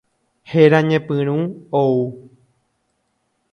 Héra ñepyrũ ou.